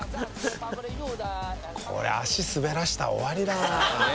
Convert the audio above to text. これ足滑らせたら終わりだな。